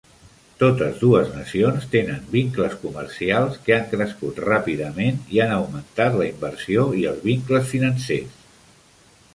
Totes dues nacions tenen vincles comercials que han crescut ràpidament i han augmentat la inversió i els vincles financers.